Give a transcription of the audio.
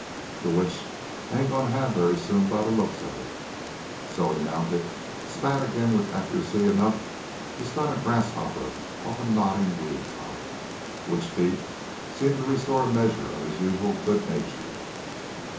The which I ain't gonna have very soon by the looks of it. So...." He mounted, spat again with accuracy enough to stun a grasshopper off a nodding weed top, which feat seemed to restore a measure of his usual good nature.